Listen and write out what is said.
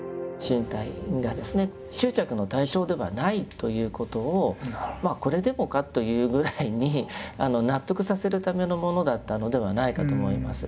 ということをこれでもかというぐらいに納得させるためのものだったのではないかと思います。